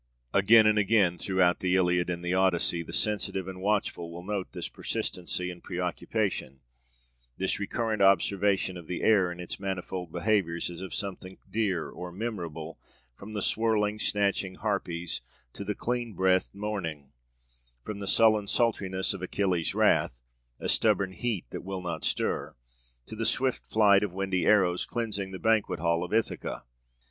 Again and again throughout the Iliad and the Odyssey, the sensitive and watchful will note this persistency and preoccupation, this recurrent observation of the air in its manifold behaviors, as of something dear or memorable, from the swirling, snatching Harpies to the clean breathed morning; from the sullen sultriness of Achilles's wrath a stubborn heat that will not stir to the swift flight of windy arrows cleansing the banquet hall of Ithaca.